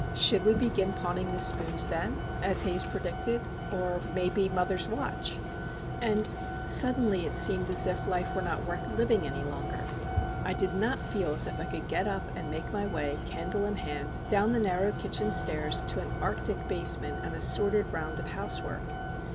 Should we begin pawning the spoons then,—as Haze predicted,—or, maybe, mother's watch? And, suddenly, it seemed as if life were not worth living any longer. I did not feel as if I could get up and make my way, candle in hand, down the narrow kitchen stairs to an arctic basement, and a sordid round of housework.